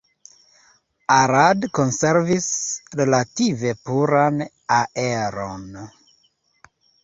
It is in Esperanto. Arad konservis relative puran aeron.